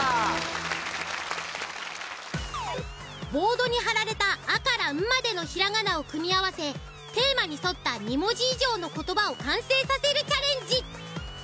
ボードに張られた「あ」から「ん」までのひらがなを組み合わせテーマに沿った２文字以上の言葉を完成させるチャレンジ。